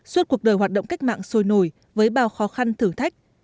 suốt cuộc đời hoạt động cách mạng sôi nổi với bao khó khăn thử thách